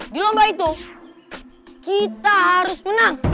di lomba itu kita harus menang